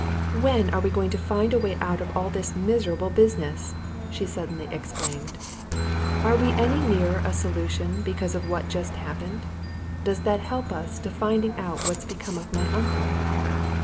"When are we going to find a way out of all this miserable business!" she suddenly exclaimed. "Are we any nearer a solution because of what's just happened? Does that help us to finding out what's become of my uncle?"